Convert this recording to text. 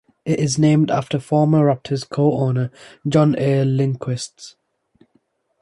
It is named after former Raptors co-owner John A. Lindquist.